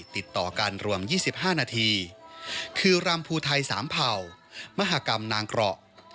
ติดต่อกันรวม๒๕นาทีคือรำภูไทยสามเผ่ามหากรรมนางเกราะ